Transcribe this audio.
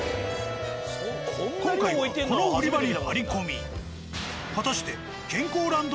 今回はこの売り場に張り込み。